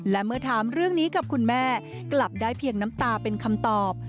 และเมื่อถามเรื่องนี้กับคุณแม่กลับได้เพียงน้ำตาเป็นคำตอบ